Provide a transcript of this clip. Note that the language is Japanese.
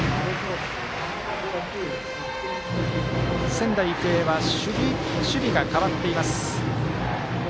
仙台育英は守備が変わっています。